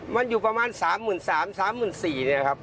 มันอยู่ประมาณ๓๓๐๐๐๓๔๐๐๐บาท